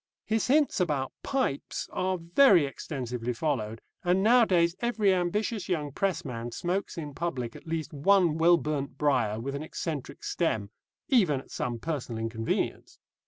His hints about pipes are very extensively followed, and nowadays every ambitious young pressman smokes in public at least one well burnt briar with an eccentric stem even at some personal inconvenience.